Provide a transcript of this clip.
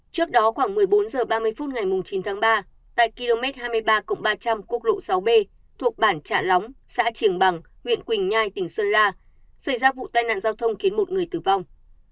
trước đó khoảng một mươi bốn h ba mươi phút ngày chín tháng ba tại km hai mươi ba ba trăm linh quốc lộ sáu b thuộc bản trạ lóng xã triềng bằng huyện quỳnh nhai tỉnh sơn la xảy ra vụ tai nạn giao thông khiến một người tử vong